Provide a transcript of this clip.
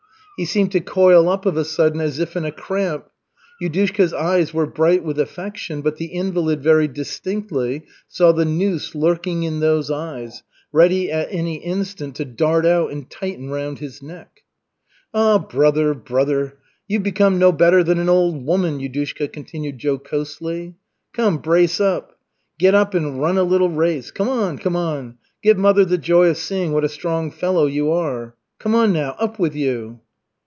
He seemed to coil up of a sudden as if in a cramp. Yudushka's eyes were bright with affection, but the invalid very distinctly saw the "noose" lurking in those eyes ready any instant to dart out and tighten round his neck. "Ah, brother, brother, you've become no better than an old woman," Yudushka continued jocosely. "Come, brace up! Get up and run a little race. Come on, come on, give mother the joy of seeing what a strong fellow you are. Come on now! Up with you!"